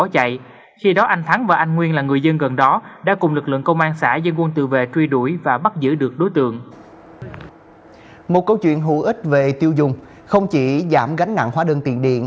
chuyện hữu ích về tiêu dùng không chỉ giảm gánh nặng hóa đơn tiền điện